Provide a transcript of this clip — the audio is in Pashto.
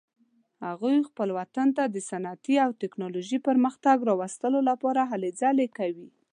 هغوی خپل وطن ته د صنعتي او تکنالوژیکي پرمختګ راوستلو لپاره هلې ځلې کوي